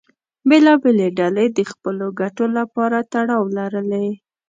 بېلابېلې ډلې د خپلو ګټو لپاره تړاو لرلې.